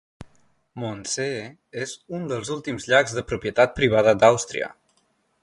Mondsee és un dels últims llacs de propietat privada d'Àustria.